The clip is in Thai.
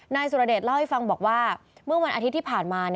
นายสุรเดชเล่าให้ฟังบอกว่าเมื่อวันอาทิตย์ที่ผ่านมา